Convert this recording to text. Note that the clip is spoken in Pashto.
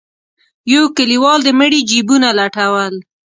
يو کليوال د مړي جيبونه لټول.